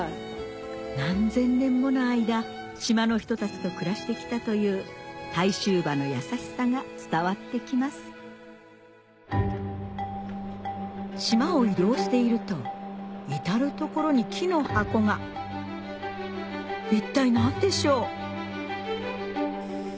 何千年もの間島の人たちと暮らしてきたという対州馬の優しさが伝わってきます島を移動していると至る所に木の箱が一体何でしょう？